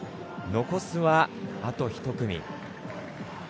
残すはあと１組。